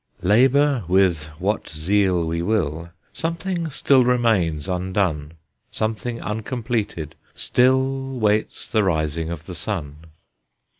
Labor with what zeal we will, Something still remains undone, Something uncompleted still Waits the rising of the sun.